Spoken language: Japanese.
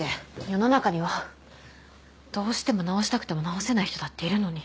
世の中にはどうしても治したくても治せない人だっているのに。